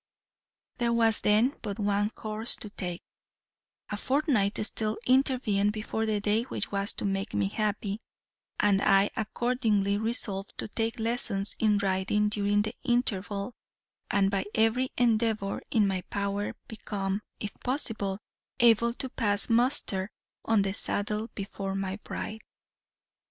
There was, then, but one course to take; a fortnight still intervened before the day which was to make me happy, and I accordingly resolved to take lessons in riding during the interval, and by every endeavor in my power become, if possible, able to pass muster on the saddle before my bride.